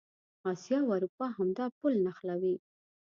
اسیا او اروپا همدا پل نښلوي.